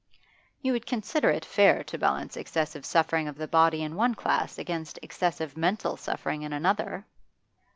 'You would consider it fair to balance excessive suffering of the body in one class against excessive mental suffering in another?